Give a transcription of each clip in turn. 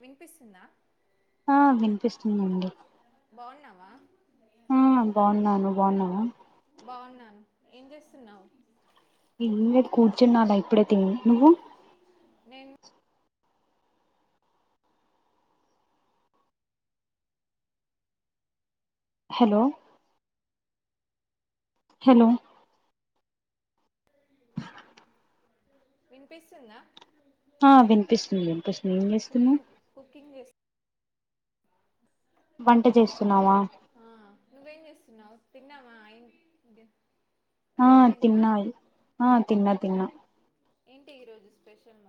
వినిపిస్తుందా ఆ వినిపిస్తుందండి పోన్నావ ఆ బాగున్న నువ్వు బాగున్నావ బాగున్నాను ఏం చేస్తున్నావ్ ఇ కూర్చున్నాాల ఇప్పుడే తి నువ్వు నేను హలో హేలో వినిపిస్తుందా ఆ వినిపిస్తుంది వినిపిస్తుంది ఏం చేస్తున్నావ్ కుకింగ్ కుకింగ్ చేస్తున్నా వంట చేస్తున్నావ తిన్నావ [unintelligible] ఆ తిన్నాయి ఆ తిన్న తిన్నా ఏంటే ఈరోజు స్పెషల్ [inaudible]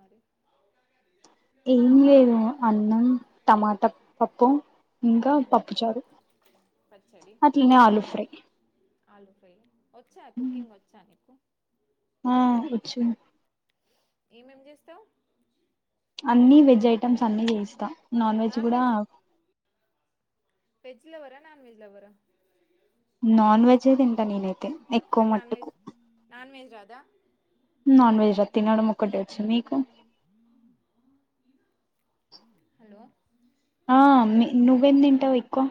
ఏం లేదు అన్నం టమాట పప్పు ఇంకా ఆ, పప్పుచారు పచ్చడి అట్లనే ఆలు ఫ్రై ఆలు ఫ్రై వచ్చా కుకింగ్ ఒచ్చ [unintelligible] ఆ ఒచ్చు ఏమేం చేస్తవ్ అన్ని వెజ్ ఐటెమ్స్ అన్ని చేస్త నాన్ వెజ్ కూడ వెజ్ లవర్ ఆ నాన్ వెజ్ లవర్ ఆ నాన్ వెజ్ ఎ తింటా నేనైతే ఎక్కువ కానీ నాన్ మట్టుకు వెజ్ [unintelligible] నాన్ వెెజ్ రా తినడం ఒక్కటే వచ్చు మీకు హలో ఆ నువ్వెం తింటావ్ ఎక్కువ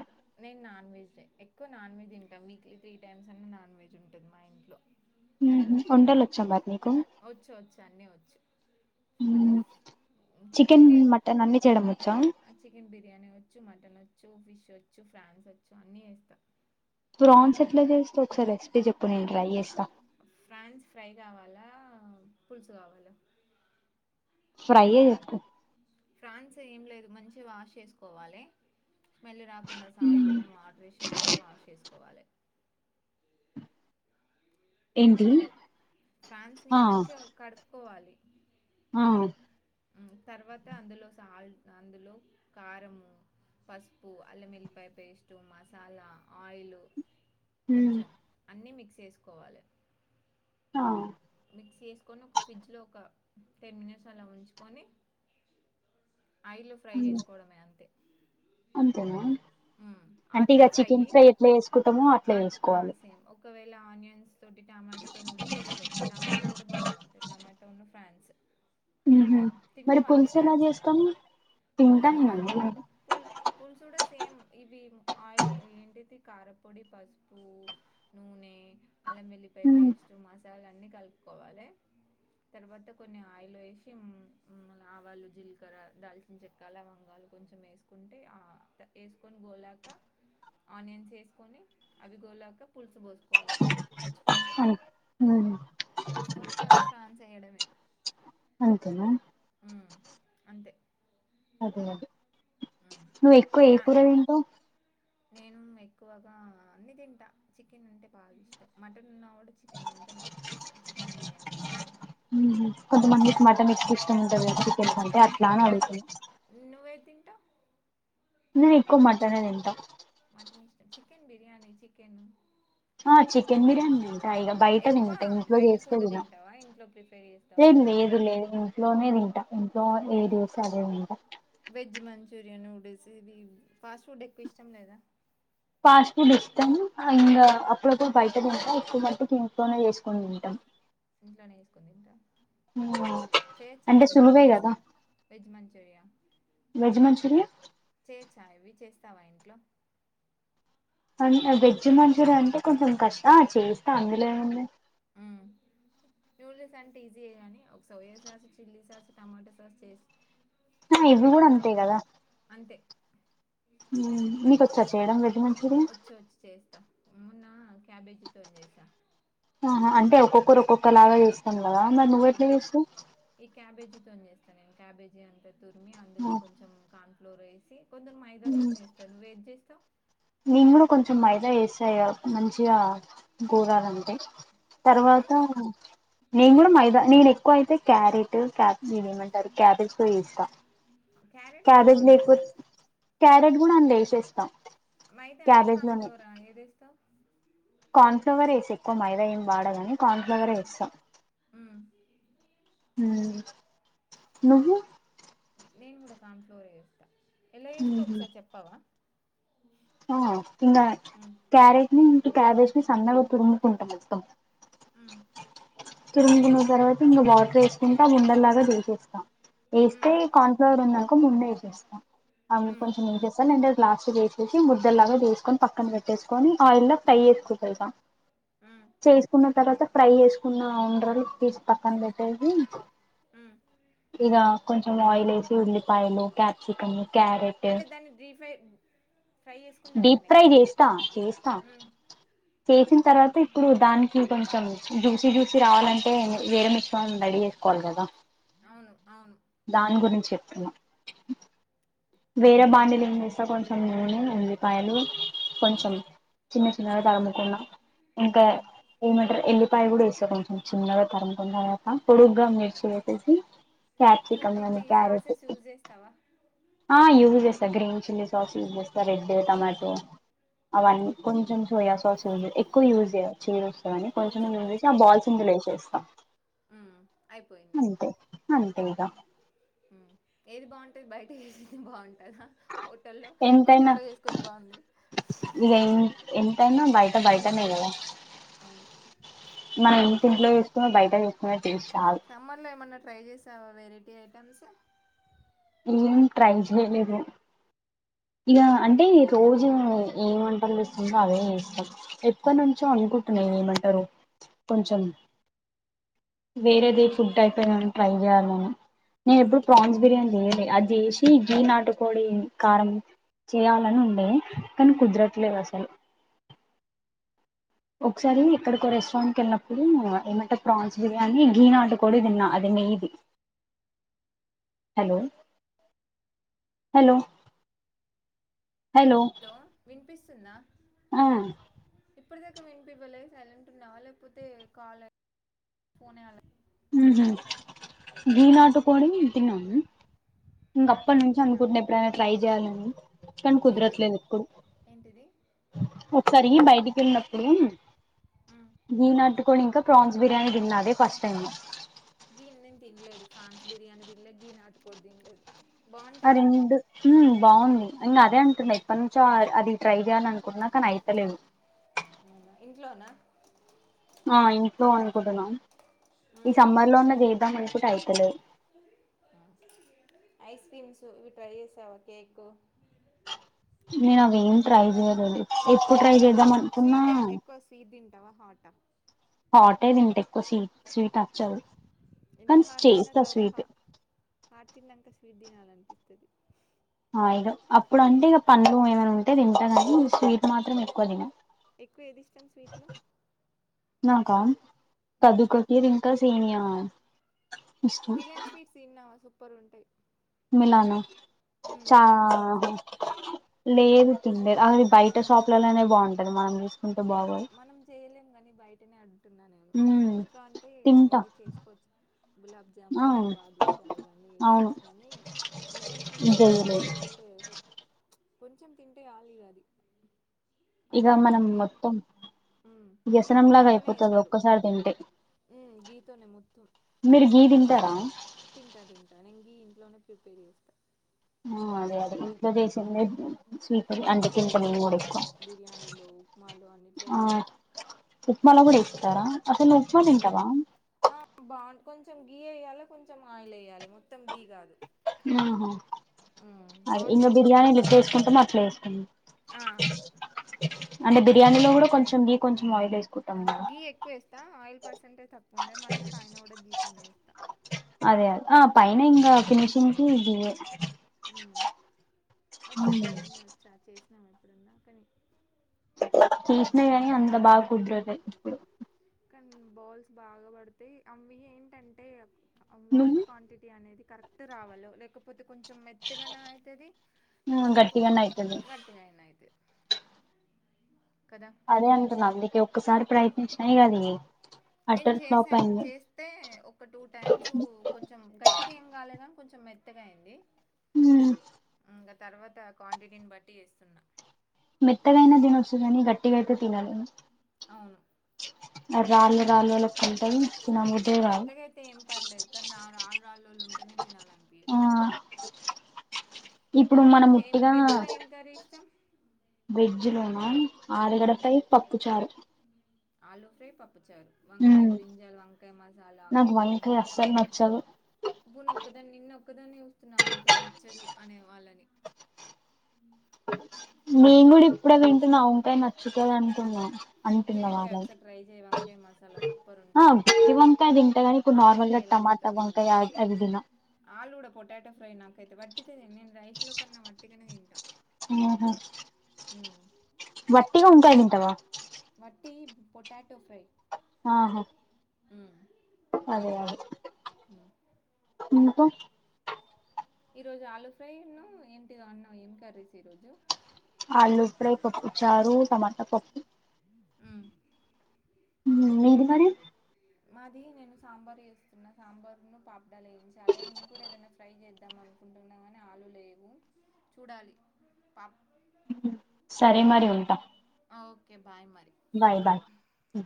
నాన్ వెెజ్ ఎక్కువ నాన్ వెెజ్ తింటాం మీకు త్రీ టైమ్స్ అనే నాన్ వెెజ్ ఉంటుంది మా ఇంట్లో వంటలు వచ్చా మరి నీకు వచ్చు వచ్చు అన్ని వచ్చు హు ఏంటి వచ్చా ఆ చికెన్ బిర్యానీ వచ్చు మటన్ వచ్చు ఫిష్ వచ్చు ఫ్రాన్స్ వచ్చు అన్ని చేస్త [inaudible] ప్రాన్స్ ఎట్లా చేస్తవ్ ఒకసారి రెసిపీ చెప్ ప్రాన్స్ ఫ్రై కావాలా పులుసు కావాల ఫ్రై ఏ చెప్పు ఫాన్స్ ఏం లేదు మంచిగ వాష్ చేసుకోవాలే స్మెల్ రాకుండ మ్ [unintelligible] వాటర్ వేసి మంచిగా వాష్ చేసుకోవాలి ఏంటి [unintelligible] ఫ్రాన్స్ ని ఆ మంచిగా కడుపుకోవాలి ఆ తర్వాత అందులో [unintelligible] అందులో కారము పసుపు అల్లంఎల్లిపాయలు వేసి పేస్టు మసాలా ఆయిలు మ్ కొంచెం అన్నీ మిక్స్ చేసుకోవాలే ఆ మిక్సీ చేసుకొని ఒక ఫ్రిడ్జ్లో ఒక టెన్ మినిట్స్ అల ఉంచుకొని ఆయిళ్ళో ఫ్రై మ్ చేసుకోవడమే అంతే అంతేనా హ్మ్. అంటే అట్లా ఇగ చికెన్ ఫ్రైయి ఫ్రేయ్ ఎట్లా వేసుకుంటామో అట్లా చేసుకోవాలి అల్ల ఆనియన్స్ తోటి టమాటో తోని కూడా చేసుకోవచ్చు టమాట కూడా బానే ఉంటాది టమట్ ట ఉన్ను ఫ్రాన్స్ మ్ హు మరి పులుసు ఎలా చేస్తాము పుల్సు తింటాను నేను పుల్ పుల్సు కుడా సేమ్ ఇవి ఆయిల్ ఏంటిది కారాపొడి పసుపు నూనె అళ్లమేల్లి మ్ పాయపేస్ట్ మసాల అన్నిీ కలుపుకోవాలే తర్వాత కొన్ని ఆయిళ్ళేసి మ్ మ్ ఆవాలు జీలకర్ర దాల్చిన చెక్కాల వంగాలు కొంచెం వేసుకుంటే అ వేసుకొని గోలాక ఆనియన్స్ వేసుకొని అవి గోలాక పులుసు పోసుకోవాలే పచ్చి పులుసు అన్ మ్ పోసుకొని తర్వాత ఫ్రాన్స్ వెయ్యడమే అంతేనా అ అంతే అంతే అది మ్. నువ్వు ఎక్కువగ ఏ ఆ, కూర తింటావ్ నేను ఎక్కువగా అన్ని తింటా చికెన్ అంటే బాగా ఇష్టం మటన్ ఉన్నా కూడా చికెన్ అంటేనే ఎక్కువిష్టం చికెన్ బిర్యానీ చికెన్ మ్ హు కొంతమందికి మటన్ ఎక్కువ ఇష్టం ఉంటంది కదా చికెన్ కంటే అట్లా అని ఎన్నో అడుగుతున్న నువ్వేది తింటావు నిను ఎక్కువ మటనే తింటా మటన్ ఇష్టం చికెన్ బిర్యానీ చికెన్ అ చికెన్ బిర్యానీ ా ఇగ బయట ఎక్కువ తింట ఇంట్లో బయట చేస్తే ఫుడ్ తిన తింటావా ఇంట్లో ప్రిపేర్ చేస్తావా మమ్మీ లేదు లేదు ఇంట్లోనే మ్మ్. తింట ఇంట్లో వాళ్ళు ఏది చేస్తే అదే తింటా వెజ్ మంచూరియన్ నూడిల్స్ ఇవి ఫాస్ట్ ఫుడ్ ఎక్కువ ఇష్టం లేదా ఫాస్ట్ ఫుడ్ ఇష్టాం ఇంగ అప్పుడప్పుడు బయట తింటా ఎక్కువ మట్టికి ఇంట్లోనే చేసుకోని తింటాం ఇంట్లోనే చేసుకొని తింటా చేయొచ్చా అంటే ఇవి సులువే నూడిల్స్ కదా వెజ్ మంచూరియా వెజ్ మంచూరియన్ స్తావా ఇంట్లో అన్ వెజ్ మంచూరియన్ అంటే కొంచెం కష్ అ చేస్త అందులో ఏముంది మ్మ్ నూడిల్స్ అంటే ఈజీయే కానీ ఒక soya sauce chilli sauce tomato sauce చేస్ తీసి ఇవి కూడా అంతే పెట్టుకున్నామన్ అంతే మ్ నీకొచ్చ చేయడం రెడ్ మ వ చ్చు వచ్చు చేస్తా మొన్న క్యాబేజీతో చేసా ఆహా అంటే ఒక్కొక్కరు ఒక్కొక్కలాగా చేస్తాం కదా మరి నువ్వ ఎట్లా అవును చేస్తావ్ ఈ క్యాబేజీతోని చేేస్తా నేను క్యాబేజీ అంతా తురిమి అందులో కొంచెం కాన్ ఫ్లోర్ వేసి కొందరు మైదాతోని చేస్తాారు నువ్వు ఏది చేస్తావ్ నిను కుడా కొంచెం మైదా వేస్త మంచిగా గోలాలంటే తర్వాత మ్మ్ నేను కూడా మైదా నేను ఎక్కువ అయితే క్యారెట్ ఇవేమంటారు క్యాబెజ్ తో చేస్తా క్యారెట్తోని క్యబేజ్ బాగుంటదా లేకపోత్ క్యారెట్ కూడా అండ్ల చేసేస్తా మైదానా కాన్ట్్లోరా ఏదేస్తావ్ కాార్న్ ఫ్లవరే ఏస ఎక్కువ మైద ఏం వాడగాని కార్న్ ఫ్లవరే మ్మ్ ఏస సం మ్మ్ మ్ నువ్వు నేను కూడా కార్న్ ఫ్లోరే ఏస్తా ఎలా మ్మ్ ఏస్తవో హు ఒకసారి చెప్పావా ఆ ఇంగా మ్ క్యారెట్ ని ఇంటు క్యాబేజ్ ని సన్నగా తురుముకుంటం మొత్తం మ్ తురుమకున్న తర్వాత ఇంక వాటర్ వేసుకుంటా ఉండల్లాగా చేసేస్తాం ఏస్తే మ్ ఈ కార్న్ ఫ్లోర్ ఉందనుకో ముందు ఏ సేస్తాం ఆవి కొంచెం ఏం మ్ చేస్తాంటే లాస్ట్ కి వేసేసి ముద్దల్లాగా చేసుకొని పక్కన పెట్టేసుకొని ఆయిల్ లో ఫ్రై ఏసుకుంటా ఇక చేసుకున్న తర్వాత ఫ్రై ఏసుకున్నా అ వుండ్రాళ్ళు తీసి పక్కన పెట్టేసి మ్ ఆ కొంచెం ఆయిల్ వేసి ఉల్లిపాయలు క్యాప్సికమ్ క్యారెట్ అంటే దాన్ని డీప్ ఫ్రై డీప్ చేసుకున్నాకనే ఫ్రై కదా చేస్తా చేస్తా మ్ చేసిన తర్వాత ఇప్పుడు దానికి కొంచెం జ్యూసి జ్యూసి రావాలంటే వేరే మిశ్రమం రడీ చేసుకోవాలి కదా అవును అవును దాని గురించి చెప్తున్నా వేరే బాండీలో కొంచెం నూనె ఉల్లిపాయలు కొంచెం మ్ చిన్న చిన్నగా మ్ తరుముకున్నా ఇంకా మ్ ఏమంటరు ఎల్లిపాయ కూడా వేసా కొంచెం చిన్నగా తరుముకున తర్వాత పొడుగ్గా మిర్చి ఏసేసి సో క్యాప్సికమ్ ని ఇప్పుడు ఈ క్యారెట్ సాసెస్ యూజ్ చేస్తావా ఆ యూజ్ చేస్తా గ్రీన్ చిల్లీ సాస్ యూజ్ చేస్తా రెడ్ టమాటో మ్ అవన్నీ కొంచెం సోయా సాస్ ఉంది ఎక్కువ యూస్ జేయా చేదు వస్తది అని కొంచెం యూస్ చేసి ఆ బాల్స్ ని చేస్తాం మ్ అయిపోయింది అంతే ఇక మ్ ఏది బావుంటది బయట ఏ టిఫిన్ బావుం హోటల్లో మన ఎంతైనా ఇంట్లో చేసుకుంది బావుంది ఇక ఎంతైనా బయట బయటనే కదా అవును మనం ఇంటి కానీ ఇంట్లో చేసుకున్న బయట చేసుకున్న టేస్ట్ రాదు సమ్మర్లో ఏమన్నా ట్రై వెరైటీ ఐటెమ్స్ ఏం ట్రైల్స్ వెయలేదు ఇక అంటే రోజు ఏ వంటలు చెస్తుందో అవే చేస్తాం ఎప్పడి నుంచో అంతె ఏమంటారు కొంచెం వేరే ది ఫుడ్ ఐటమ్ ట్రై చేయాలి నేను నేను ఎప్పుడు ప్రాన్స్ బిర్యానీ జెయలె అది జెసి గీ నాటుకోడి కారం చేయాలని ఉండే కానీ కుదరట్లేదు అసలు ఒకసారీ ఎక్కడికొ రెస్టారెంట్ కి ఎళ్ళినప్పుడు ఏమంటే ప్రాన్స్ బిర్యానీ గీ నాటుకోడి తిన్నా అదె మేబి హలో హలో హలో వినిపిస్తుందా ఆ ఇప్పటిదాకా వినిపివలే సైలెంట్ ఉన్నావా లేకపోతే కాలే ఫోనే అల వీనాటు మా, కోడి తిన ఇంక అప్పటి నాటుకొని నుంచి తిన్నాను అనుకుంటున్నా ఎప్పుడైనా ట్రై జెయ్యాలని కాని ఏంటిది కుదరట్లేదు ఎప్పుడు ఏంటిది ఒకసారి బయటికె ళినప్పుడు మ్, గీ నాట్టుకోడి ఇంకా ప్రాన్స్ బిర్యానీ తిన్నా అదే ఫస్ట్ టైమ్ గీని నేను తినలేదు ఫ్రాన్స్ బిర్యానీ దినలేదు గీని నాటుకోడి దినలేదు ఆ రెండు బాగుంది ఇంకా అదే అంటున్నాయి ఎప్పటి నుంచో అది ట్రై చేయ్యాల అనుకున్నా కానీ అయితలేదు అవునా? ఇంట్లోనా ఆ ఇంట్లో అనుకుంటున్నా మ్, ఈ మ్. సమ్మర్ లో అన్నా చేద్దాం అనుకుంటే అయితలేదు ఐస్ క్రీమ్స్ ఇవి ట్రై చేసావా కేక్ నేను అవి ఏం ట్రై చేయలేదు ఎప్పుడు ట్రై చేద్దాం అనుకున్నా తవ హాట్ ఆ హాటే తింట ఎక్కువ స్వీట్ స్వీట్ నచ్చదు ఎంత కానీ హాట్ తిన్నా చేస్తా తర్వాత స్వీట్ హాట్ తిన్నాక స్వీట్ తినాలనిత్తది ఆ ఇక అప్పుడు అంటే ఇక పండ్లు ఏమైనా ఉంటే తింటాగానీ స్వీట్ మాత్రం ఎక్కువ తిన ఎక్కువ ఏది ఇష్టం స్వీట్లో నాకా కదుకది ఇంకా సేమియా ఆ మిలన్ స్వీట్స్ తిన్నావ సూపర్ ఉంటాయి మిలానా ఉమ్, చ మిలియన్ స్వీట్స్ లేదు తినలేదు అది బయట కానీ ఎంత షాప్లలోనే బాగుంటది మనం చెసి మనం చేయలేం గాని బయటనే అడు టున్నా నేను మ్మ్ ఇంట్లో అంటే తింటా ఇవి చేసుకోవచ్చు గులాబ్జాము ఆ బాదుషా ఇవన్నీ అవును వేసుకోవచ్చు కానీ మిలియన్ స్వీట్స్ ఎంత చేయలేదు బాగుంటాయో కొంచం తింటే ఆలిగా అది ఇగ మళ్ళీ మనం ప్రైజ్ మొత్తం ఉమ్, వ్యసనంలాగా గీతోనే అయిపోతది వేస్తారు ఒక్కసారి తింటే గీతోనే మొత్తం గీ తింటారా తింటా తింటా నేను గీ ఇంట్లోనే ప్రిపేర్ చేస్తా ఆ అదే అదే ఇంట్లో చేసిందే స్వీట్ అంటే తింటా నేను అన్నిట్లలో కూడా ఎక్కువ వేస్తాం బిర్యానీలో ఉప్మాలో అన్నిట్లలో ఆ వేస్తాం ఉప్మాలో కూడా వేస్తారా అసలు ఉప్మా కూడా బా తింటారా ఆ బాగుంట కొంచెం గీ వేయ్యాలి కొంచెం ఆయిల్ వేయ్యాలి మొత్తం గీ కాదు ఉహా అది ఇంకా బాగుంటది బిర్యానీలో ఎట్లా వేసుకుంటామో అట్లా వేసుకోవడం ఆ అంటే బిర్యానీ లో కూడా కొంచం గి కొంచం ఆయిల్ వే గీ ఎక్కువ వేస్తా ఆయిల్ పర్సెంటేజ్ తక్కువ ఉండే మళ్ళీ పైన కూడా గీతోనేస్తా అదే అదే ఆ పైన ఇంకా ఫినిషింగ్ కి గీ ఏ ఉమ్ వచ్చా బిర్యానీ వచ్చా చేసినావా ఎప్పుడన్నా కనీ చేసినా కానీ అంత బాగా కుదరదు ఎప్పుడు డ్ బౌల్స్ బాగా పడతాయి అవి ఏంటంటే నువ్వు వాటర్ క్వాంటిటీ అనేది కరెక్ట్ రావాల లేకపోతే కొంచెం మెత్తగాన అయితది ఆ లేకపోతే గట్టిగానే అయితది గట్టిగా అయినా అయితది అదే అంటున్నా అందుకే ఒక్కసారి ప్రయత్నించినాయి ఇగ అది నేను అట్టర్ ఫ్లాప్ చేసాను అయింది చేస్తే ఒక టూ టైమ్స్ కొంచెం గట్టి గా ఏమ్ కాలేగాని కొంచెం మెత్తగా అయ్యింది ఉమ్ ఇంకా తర్వాత క్వాంటిటీనీ బట్టి వేస్తున్నా మెత్తగ అయినా తినొచ్చు గట్టిగాయితే తినలేం అవును రాలు రాలు లెకుంటయ్ ఆ మెత్తగతే ఏం పర్లేదు కానీ నా రాళ్ రాళ్ళోళ్ళు ఉంటేనే తినాల ఆ ఇప్పుడు మనం ఇంకా ఏం ఉట్టిగా వెజ్ ల ఏం కరీ ఇష్టం వెజ్ లోన ఆలుగడ మ్మ్. ఫ్రై పప్పు చారు ఆలు ఫ్రై, పప్పుచారు, వంకాయ, ఉమ్ బ్రింజాల్, వంకాయ మసాలా నాకు ఇవి తిన. వంకాయ అస్సలు నచ్చదు ఇప్పు నువ్ ఒకదాని నిన ఒక్కదానే చూస్తున్న అంకాయ నచ్చదు అనే వాళ్ళని నేను కూడా ఇప్పుడ వింటున్నా ఆ వంకాయ నచ్చుతది అంటున్న గుత్తి వంకాయ వాళ్ళని ఒకసారి ట్రై చేయ్ వంకాయ మసాలా సూపర్ ఉంటది ఆలు ఫ్రై గ ఎలా టమాటా తింటావో ఇది వంకాయ కూడా అ అదిదిన ఆలు కూడ పొటాటో ఫ్రై నాకైతే వట్టిదే నేను రైస్ లో కన్నా వట్టిగనే తింటా ఆహ ఉమ్ వట్టి వంకాయ్ తింటవా వట్టి పొటాటో ఫ్రై ఆహా ఉమ్, అదే అదే ఉమ్. ఇంకా ఈ రోజు ఆలు ఫ్రై ఉన్ను ఏంటిదో అన్నవ్ ఏం కర్రీస్ ఈ రోజు ఆలూ ఫ్రై, పప్పు చారు, టమాటా పప్పు. ఉమ్. ఊ మీది మరి మాది నేను సాంబార్ ఏస్తున్నా సాంబార్ ను పాప్డాలు వేయించాలి నేను కూడా ఏదైనా ఫ్రై చేద్దాం అను కుంటున్నా కాని ఆలు లేవు చూడాలి పాప్ సరే మరి ఉంటా ఓకే బాయ్ మరి బాయ్ బాయ్ ఓకే ఉ